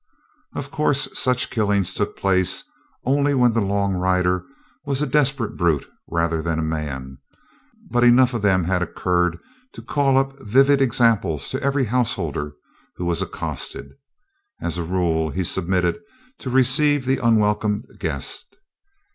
Of course, such killings took place only when the "long rider" was a desperate brute rather than a man, but enough of them had occurred to call up vivid examples to every householder who was accosted. As a rule he submitted to receive the unwelcome guest.